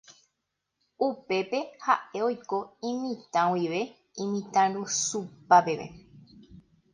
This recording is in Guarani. Upépe ha'e oiko imitã guive imitãrusupa peve.